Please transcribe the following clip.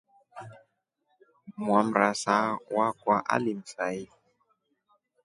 Mwamrasa wakwa alimsai.